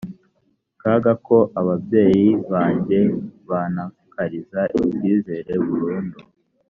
kaga ko ababyeyi banjye bantakariza icyizere burundu